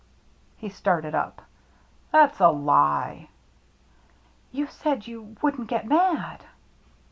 He started up. " That's a lie !"" You said you — wouldn't get mad."